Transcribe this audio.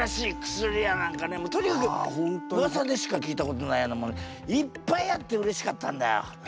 あととにかくうわさでしか聞いたことないようなものいっぱいあってうれしかったんだよ。